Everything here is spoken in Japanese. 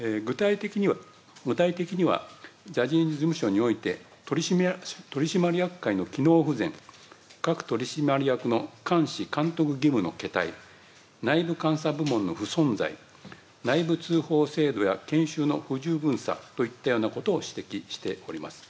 具体的には、ジャニーズ事務所において、取締役会の機能不全、各取締役の監視・監督義務の懈怠、内部監査部門の不存在、内部通報制度や研修の不十分さといったようなことを指摘しております。